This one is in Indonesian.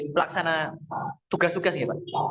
pelaksana tugas tugas ya pak